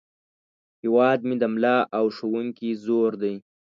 هیواد مې د ملا او ښوونکي زور دی